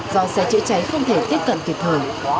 do xe chữa cháy không thể tiếp cận kịp thời